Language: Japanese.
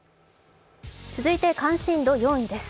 続いて関心度４位です。